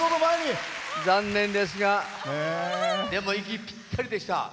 残念ですがでも息ぴったりでした。